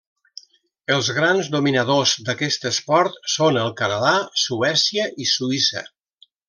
Els grans dominadors d'aquest esport són el Canadà, Suècia i Suïssa.